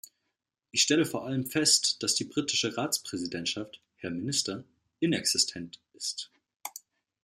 Ich stelle vor allem fest, dass die britische Ratspräsidentschaft, Herr Minister, inexistent ist.